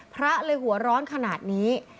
พระเลยหัวร้อนขนาดนี้